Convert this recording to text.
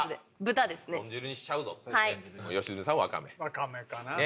わかめかな。